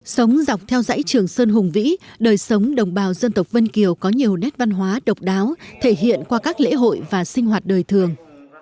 sống dọc theo dãy trường sơn hùng vĩ đời sống đồng bào dân tộc vân kiều có nhiều nét văn hóa độc đáo thể hiện qua các lễ hội và sinh hoạt đời thường